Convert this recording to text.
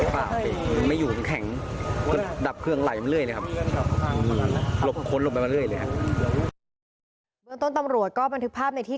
เปล่าไม่อยู่มันแข็งก็ดับเครื่องไหลมันเรื่อยเลยครับ